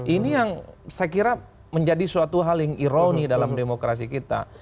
ini yang saya kira menjadi suatu hal yang ironi dalam demokrasi kita